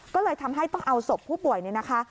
ก็เลยทำให้ต้องเอาศพผู้ป่วยเนี่ยนะคะ